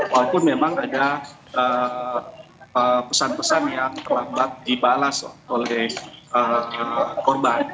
walaupun memang ada pesan pesan yang terlambat dibalas oleh korban